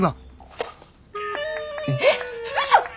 えっうそ！？